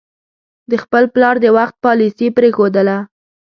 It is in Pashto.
د خپل پلار د وخت پالیسي پرېښودله.